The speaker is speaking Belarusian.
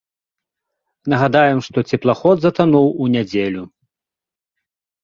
Нагадаем, што цеплаход затануў у нядзелю.